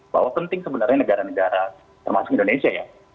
bahwa penting sebenarnya negara negara termasuk indonesia ya